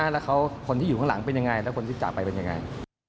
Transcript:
แล้วคนที่อยู่ข้างหลังเป็นยังไงแล้วคนที่จากไปเป็นยังไง